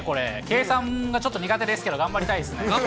計算がちょっと苦手ですけど、頑張りたいですね。